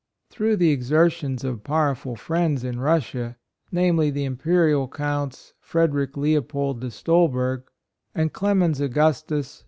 Through the exertions of powerful friends in Russia, viz: the Imperial Counts Frederick Leopold De Stolberg and Clemens Augustus KECALLED TO EUROPE, &C.